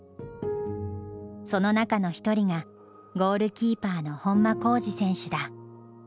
その中の一人がゴールキーパーの本間幸司選手だ。